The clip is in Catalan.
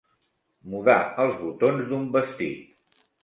Mudar els botons d'un vestit.